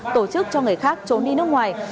tổ chức cho người khác trốn đi nước ngoài